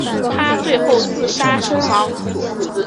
他最后自杀身亡。